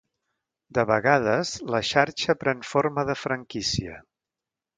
De vegades, la xarxa pren forma de franquícia.